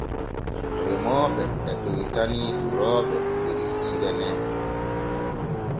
Remooɓe e ɗoytani durooɓe der siire nee.